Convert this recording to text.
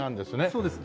そうです。